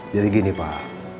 jadi gini pak